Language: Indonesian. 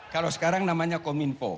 kalau sekarang namanya kominfo